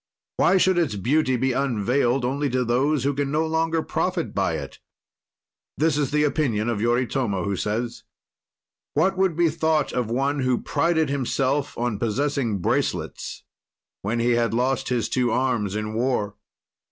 "Why should its beauty be unveiled only to those who can no longer profit by it?" This is the opinion of Yoritomo, who says: "What would be thought of one who prided himself on possessing bracelets when he had lost his two arms in war?